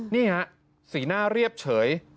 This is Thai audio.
นี่ฮะสีหน้าเรียบเฉย